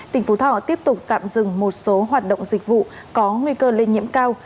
tỉnh phú thọ tiếp tục tạm dừng một số hoạt động dịch vụ có nguy cơ lây nhiễm cao